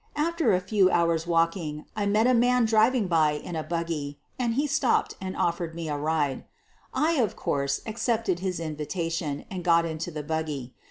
After a few hours' walking I met a man driving by in a buggy, and he stopped and offered me a ride. I, of course, ac cepted his invitation and got into the buggy.